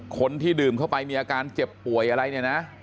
คนที่ดื่มเข้าไปมีอาการเจ็บป่วยอะไรเนี่ยนะ